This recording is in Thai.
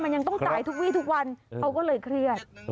มันยังต้องจ่ายทุกวีทุกวันเขาก็เลยเครียด